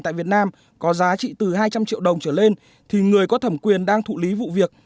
tại việt nam có giá trị từ hai trăm linh triệu đồng trở lên thì người có thẩm quyền đang thụ lý vụ việc